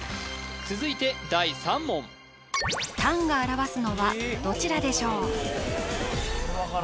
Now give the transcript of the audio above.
続いて第３問単が表すのはどちらでしょう？